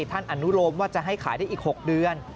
อนุโรมว่าจะให้ขายได้อีก๖เดือน